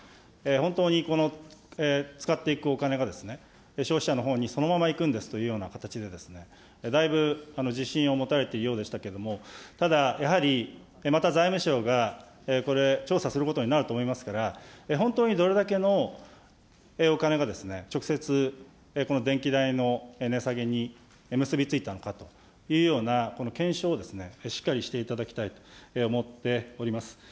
本当にこの使っていくお金が、消費者のほうにそのまま行くんですというようなことで、だいぶ自信を持たれているようですけれども、ただやはり、また財務省がこれ、調査することになると思いますから、本当にどれだけのお金が直接、この電気代の値下げに結び付いたのかというような検証をしっかりしていただきたいと思っております。